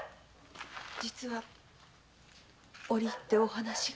実は折り入ってお話が。